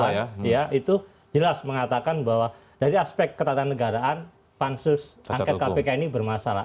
iya itu jelas mengatakan bahwa dari aspek ketatan negaraan pansus angkat kpk ini bermasalah